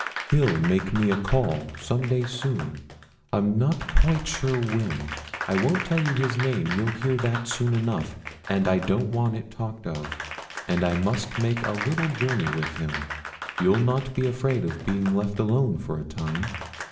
'He'll make me a call, some day soon; I'm not quite sure when. I won't tell you his name you'll hear that soon enough, and I don't want it talked of; and I must make a little journey with him. You'll not be afraid of being left alone for a time?'